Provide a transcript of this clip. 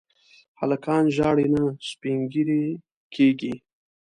هلکان ژاړي نه، سپين ږيري کيږي.